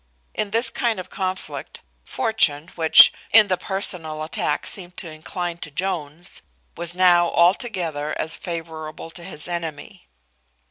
In this kind of conflict, Fortune, which, in the personal attack, seemed to incline to Jones, was now altogether as favourable to his enemy.